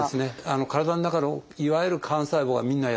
体の中のいわゆる幹細胞はみんなやられる。